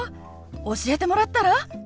教えてもらったら？